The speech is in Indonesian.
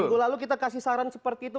minggu lalu kita kasih saran seperti itu